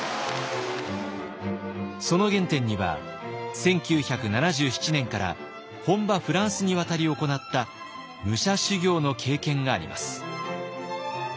その原点には１９７７年から本場フランスに渡り行った武者修行の経験があります。